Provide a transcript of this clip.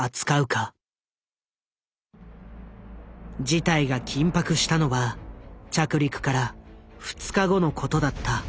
事態が緊迫したのは着陸から２日後のことだった。